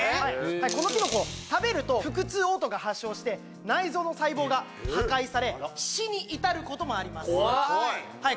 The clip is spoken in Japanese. このきのこ食べると腹痛・嘔吐が発症して内臓の細胞が破壊され死に至ることもあります怖い！